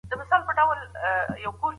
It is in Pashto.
څوک د دې پروسې مسوول دی؟